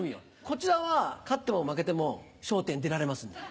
こちらは勝っても負けても『笑点』出られますんで。